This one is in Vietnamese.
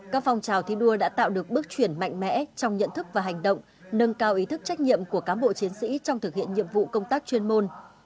các phong trào thi đua đã tạo được bước chuyển mạnh mẽ trong nhận thức và hành động nâng cao ý thức trách nhiệm của cám bộ chiến sĩ trong thực hiện nhiệm vụ công tác chuyên môn